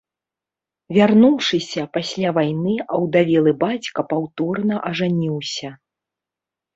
Вярнуўшыся пасля вайны, аўдавелы бацька паўторна ажаніўся.